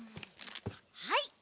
はい。